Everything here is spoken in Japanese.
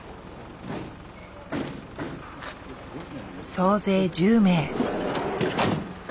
総勢１０名。